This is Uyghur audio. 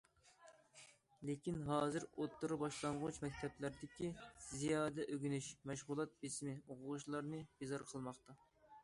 لېكىن ھازىر ئوتتۇرا، باشلانغۇچ مەكتەپلەردىكى زىيادە ئۆگىنىش، مەشغۇلات بېسىمى ئوقۇغۇچىلارنى بىزار قىلماقتا.